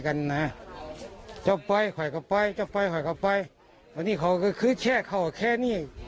กันนะจะไปค่อยกลับไปจะไปค่อยกลับไปวันนี้เขาก็คือแช่เขาแค่นี้